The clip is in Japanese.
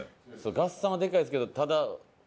合算はでかいですけどただねえ。